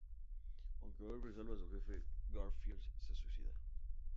Aunque Oliver salva al jefe, Garfield se suicida.